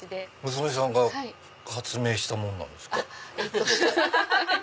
娘さんが発明したものですか？